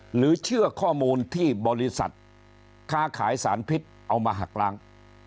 หรือเชื่อข้อมูลที่บริษัทค้าขายสารพิษเอามาหักล้าง